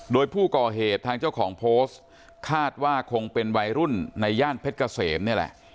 โดยผู้ก่อเหตุทางเจ้าของโพสต์คาดว่าคงเป็นวัยรุ่นในย่านเพชรเกษมนี่แหละ